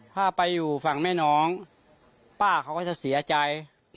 ถ้าไปอยู่ฝั่งแม่น้องป้าเขาก็จะเสียใจ